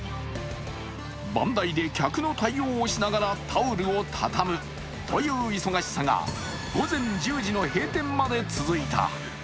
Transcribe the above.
番台で客の対応をしながらタオルをたたむという忙しさが午前１０時の閉店まで続いた。